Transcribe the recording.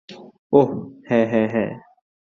ওহ, হ্যা, হ্যা হ্যা।